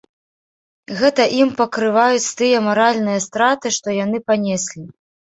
Гэта ім пакрываюць тыя маральныя страты, што яны панеслі.